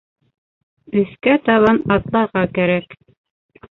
Өҫкә табан атларға кәрәк